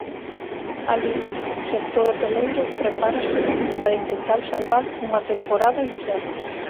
Alí, o sector hoteleiro prepárase para intentar salvar unha temporada incerta.